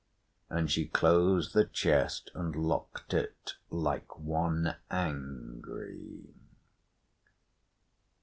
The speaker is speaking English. And she closed the chest and locked it, like one angry.